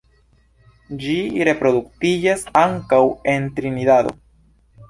Ĝi reproduktiĝas ankaŭ en Trinidado.